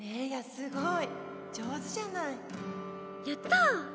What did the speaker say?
すごい上手じゃないやった！